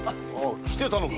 来てたのか。